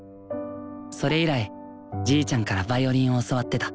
それ以来じいちゃんからヴァイオリンを教わってた。